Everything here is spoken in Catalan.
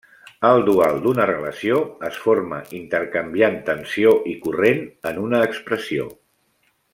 El dual d'una relació es forma intercanviant tensió i corrent en una expressió.